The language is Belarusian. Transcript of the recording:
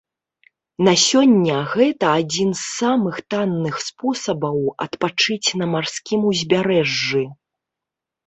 На сёння гэта адзін з самых танных спосабаў адпачыць на марскім узбярэжжы.